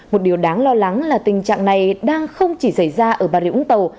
một điều đáng lo lắng là tình trạng này đang không chỉ xảy ra ở bà rịa úng tàu